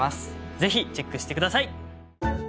ぜひチェックして下さい！